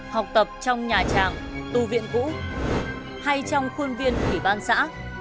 học tập trong nhà tràng tu viện cũ hay trong khuôn viên ủy ban xã